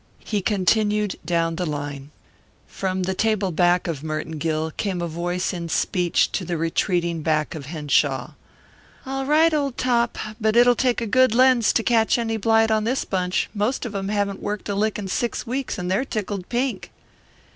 He continued down the line. From the table back of Merton Gill came a voice in speech to the retreating back of Henshaw: "All right, old top, but it'll take a good lens to catch any blight on this bunch most of 'em haven't worked a lick in six weeks, and they're tickled pink."